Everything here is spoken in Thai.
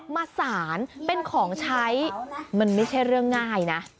มาสารเป็นของใช้มันไม่ใช่เรื่องง่ายนะ